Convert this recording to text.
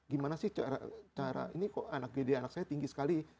gimana sih cara ini kok anak gede anak saya tinggi sekali